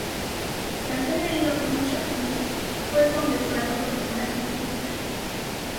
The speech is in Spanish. Tras ser herido por un shrapnel, fue condecorado con el Corazón Púrpura.